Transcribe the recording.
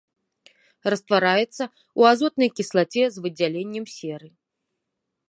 Раствараецца ў азотнай кіслаце з выдзяленнем серы.